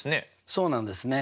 そうなんですね。